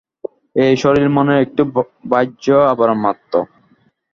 এই শরীর মনের একটি বাহ্য আবরণ মাত্র।